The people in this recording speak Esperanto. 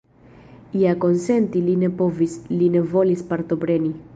Ja konsenti li ne povis, li ne volis partopreni.